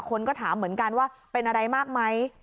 คนก็ถามเหมือนกันว่าเป็นอะไรมากไหม